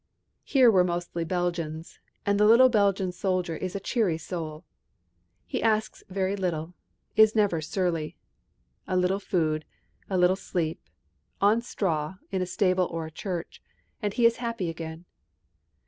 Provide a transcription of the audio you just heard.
Here were mostly Belgians, and the little Belgian soldier is a cheery soul. He asks very little, is never surly. A little food, a little sleep on straw, in a stable or a church and he is happy again.